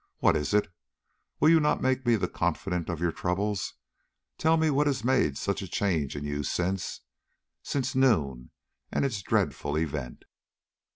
What is it? Will you not make me the confidant of your troubles? Tell me what has made such a change in you since since noon, and its dreadful event."